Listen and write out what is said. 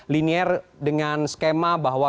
linier dengan skema bahwa